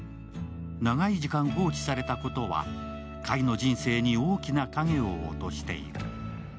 長い時間放置されたことは櫂の人生に大きな影を落としている。